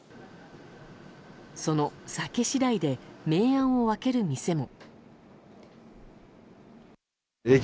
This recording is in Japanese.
その酒次第で明暗を分ける店も。